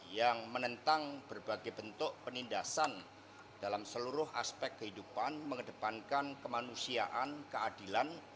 yang menentang berbagai bentuk penindasan dalam seluruh aspek kehidupan mengedepankan kemanusiaan keadilan